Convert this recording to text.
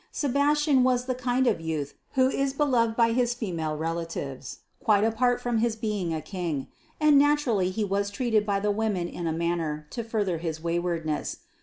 Sebastian was the kind of youth who is beloved by his female relatives quite apart from his being a King; and naturally he was treated by the women in a manner to further his waywardness.